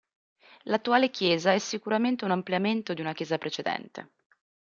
L'attuale Chiesa è sicuramente un ampliamento di una Chiesa precedente.